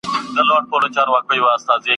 دوکان دوک دی یا کان دی !.